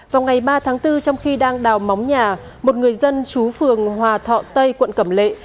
vào ngày ba tháng bốn trong khi đang đào móng nhà một người dân chú phường hòa thọ tây quận cẩm lệ